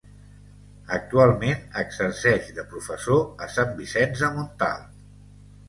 Actualment exerceix de professor a Sant Vicenç de Montalt.